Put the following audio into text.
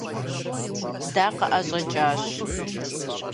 Дакъыӏэщӏэкӏащ.